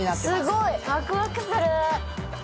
すごい、ワクワクする。